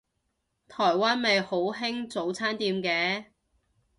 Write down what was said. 台灣咪好興早餐店嘅